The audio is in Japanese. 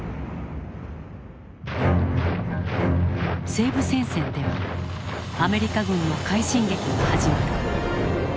西部戦線ではアメリカ軍の快進撃が始まる。